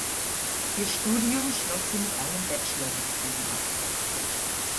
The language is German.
Ihr Studium schloss sie mit einem Bachelor-Diplom ab.